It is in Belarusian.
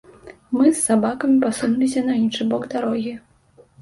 Мы з сабакамі пасунуліся на іншы бок дарогі.